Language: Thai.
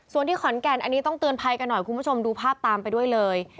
ส่วนที่ขอนแก่นอันนี้ต้องเตือนภัยกันหน่อยคุณผู้ชมดูภาพตามไปด้วยเลย